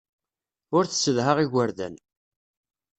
Ur tessedha igerdan.